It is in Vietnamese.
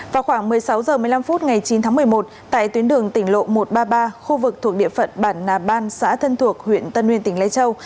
vào khoảng một mươi sáu h một mươi năm phút ngày chín tháng một mươi một tại tuyến đường tỉnh lộ một trăm ba mươi ba khu vực thuộc địa phận bản nà ban xã thân thuộc huyện tân nguyên tỉnh lai châu